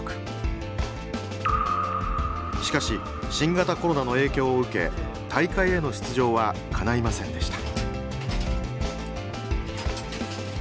しかし新型コロナの影響を受け大会への出場はかないませんでした。